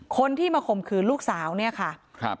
คนที่มาข่มขืนลูกสาวเนี่ยค่ะครับ